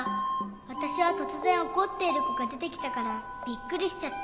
わたしはとつぜんおこっているこがでてきたからびっくりしちゃって。